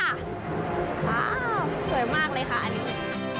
อ้าวสวยมากเลยค่ะอันนี้